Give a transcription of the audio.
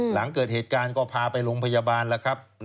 หลังเกิดเหตุการณ์ก็พาไปโรงพยาบาลแล้วครับ